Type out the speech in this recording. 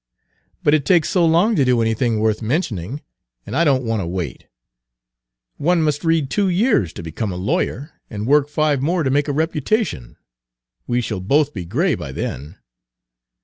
"But it takes so long to do anything worth mentioning, and I don't want to wait. One must read two years to become a lawyer, and work five more to make a reputation. We shall both be gray by then."